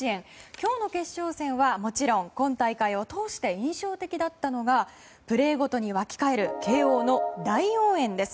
今日の決勝戦はもちろん今大会を通して印象的だったのがプレーごとに沸き返る慶応の大応援です。